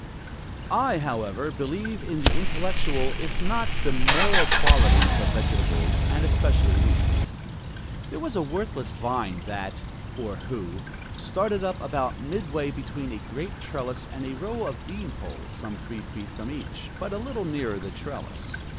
I, however, believe in the intellectual, if not the moral, qualities of vegetables, and especially weeds. There was a worthless vine that (or who) started up about midway between a grape trellis and a row of bean poles, some three feet from each, but a little nearer the trellis.